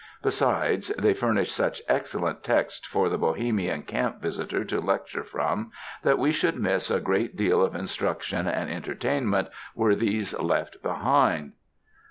Besides they furnish such excellent texts for the Bohemian camp visitor to lecture from, that we should miss a great deal of instruction and entertainment were these left behind.